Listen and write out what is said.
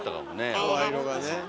声色がね。